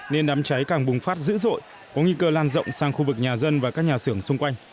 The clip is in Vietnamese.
nên đám cháy càng bùng phát dữ dội có nghi cơ lan rộng sang khu vực nhà dân và các nhà xưởng xung quanh